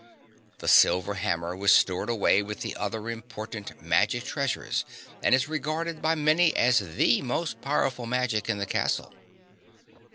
The silver hammer was stored away with the other important magic treasures and is regarded by many as the most powerful magic in the castle.